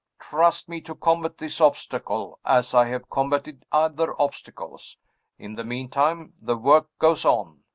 Trust me to combat this obstacle as I have combated other obstacles. In the meantime, the work goes on.